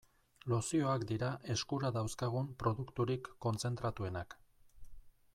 Lozioak dira eskura dauzkagun produkturik kontzentratuenak.